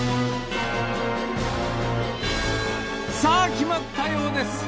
さあ決まったようです。